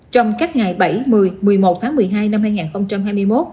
trong các ngày bảy một mươi một mươi một tháng một mươi hai năm hai nghìn hai mươi một